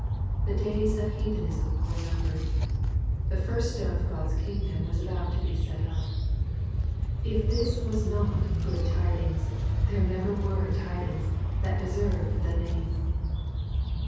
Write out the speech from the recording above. The days of heathenism were numbered. The first stone of God's kingdom was about to be set up. If this was not " good tidings," there never were tidings that deserved the name.